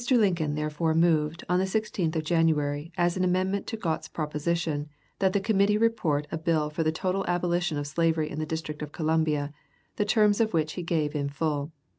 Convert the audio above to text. Lincoln therefore moved, on the 16th of January, as an amendment to Gott's proposition, that the committee report a bill for the total abolition of slavery in the District of Columbia, the terms of which he gave in full.